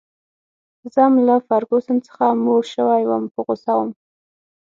زه هم له فرګوسن څخه موړ شوی وم، په غوسه وم.